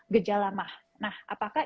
gejala emah nah apakah